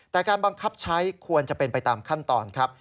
แต่การบังคับใช้ควรจะเป็นไปตามขั้นตอนครับ